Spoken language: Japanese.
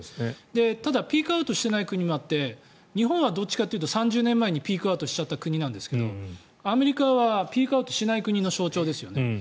ただ、ピークアウトしていない国もあって日本はどっちかというと３０年前にピークアウトした国なんですがアメリカはピークアウトしない国の象徴ですよね。